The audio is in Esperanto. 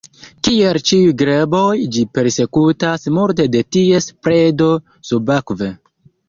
Kiel ĉiuj greboj, ĝi persekutas multe de ties predo subakve.